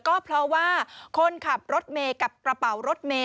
ก็เพราะว่าคนขับรถเมย์กับกระเป๋ารถเมย